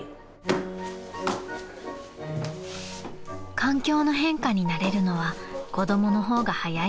［環境の変化に慣れるのは子供の方が早いもの］